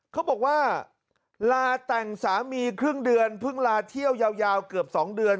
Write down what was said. เขาบอกว่าลาแต่งสามีครึ่งเดือนเพิ่งลาเที่ยวยาวเกือบ๒เดือน